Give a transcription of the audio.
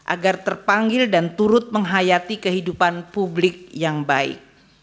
agar terpanggil dan turut menghayati kehidupan publik yang baik